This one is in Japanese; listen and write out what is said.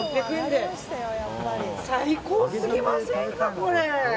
最高すぎませんか、これ。